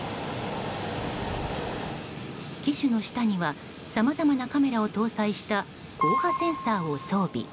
機首の下にはさまざまなカメラを搭載した光波センサーを装備。